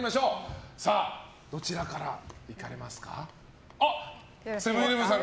どちらからいかれますか？